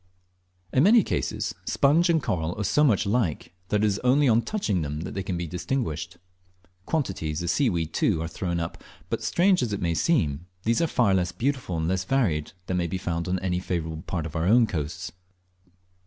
In many cases sponge and coral are so much alike that it is only on touching them that they can be distinguished. Quantities of seaweed, too, are thrown up; but strange as it may seem, these are far less beautiful and less varied than may be found on any favourable part of our own coasts.